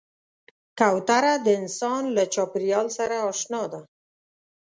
کوتره د انسان له چاپېریال سره اشنا ده.